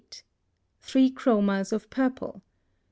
THREE CHROMAS of PURPLE.